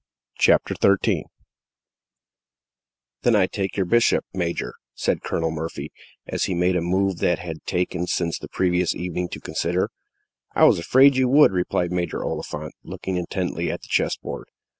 CHAPTER XIII. A ROYAL SALUTE "Then I take your bishop, major," said Colonel Murphy, as he made a move that he had taken since the previous evening to consider. "I was afraid you would," replied Major Oliphant, looking intently at the chess board.